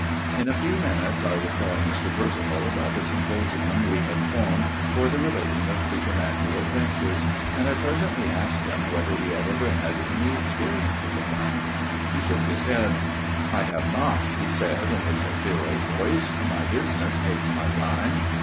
In a few minutes I was telling Mr. Percival about the symposium we had formed for the relating of preternatural adventures ; and I presently asked him whether he had ever had any experience of the kind. He shook his head. " I have not," he said in his virile voice ;" my business takes my time."